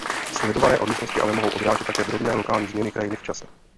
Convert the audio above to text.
Sledované odlišnosti ale mohou odrážet také drobné lokální změny krajiny v čase.